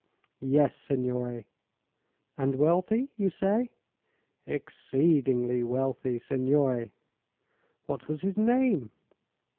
"Yes, signore." "And wealthy, you say?" "Exceedingly wealthy, signore." "What was his name?"